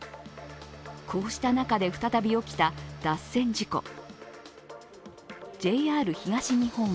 こうした中で再び起きた脱線事故。